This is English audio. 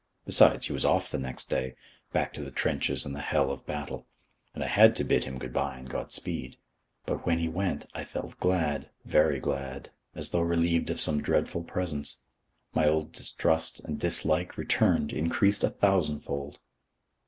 Besides, he was off the next day, back to the trenches and the hell of battle, and I had to bid him good bye and God speed. But when he went, I felt glad, very glad, as though relieved of some dreadful presence. My old distrust and dislike returned increased a thousandfold.